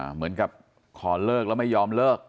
เหมือนกับขอเลิกแล้วไม่ยอมเลิก